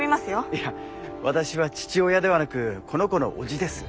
いや私は父親ではなくこの子の叔父です。